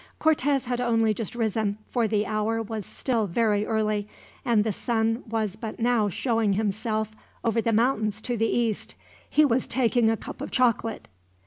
Cortez had only just risen, for the hour was still very early, and the sun was but now showing himself over the mountains to the east. He was taking a cup of chocolate.